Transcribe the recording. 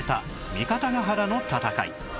三方ヶ原の戦い